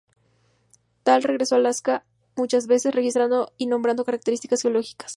Dall regresó a Alaska muchas veces, registrando y nombrando características geológicas.